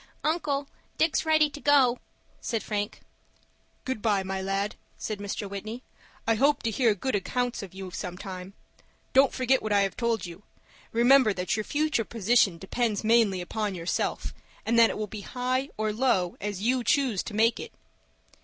"Uncle, Dick's ready to go," said Frank. "Good by, my lad," said Mr. Whitney. "I hope to hear good accounts of you sometime. Don't forget what I have told you. Remember that your future position depends mainly upon yourself, and that it will be high or low as you choose to make it."